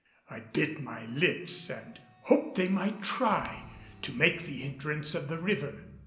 I bit my lips and hoped they might try to make the entrance of the river.